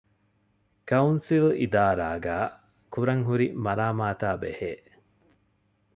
ކައުންސިލް އިދާރާގައި ކުރަންހުރި މަރާމާތާބެހޭ